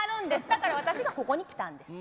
だから私がここに来たんです。